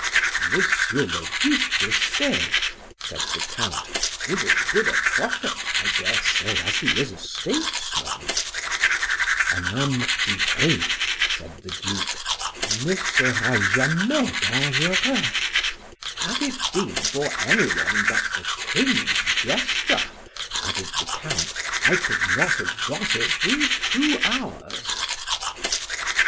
Monsieur le Duc de C—, said the Count, is as good a prophet, I dare say, as he is a statesman. Un homme qui rit, said the Duke, ne sera jamais dangereux.—Had it been for any one but the king's jester, added the Count, I could not have got it these two hours.